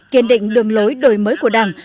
kiên định đường lối đổi mới của đảng